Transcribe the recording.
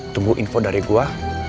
tunggu info dari gue